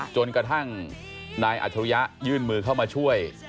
จนกระทั่งนายอัจฉริยะยื่นมือเข้ามาช่วย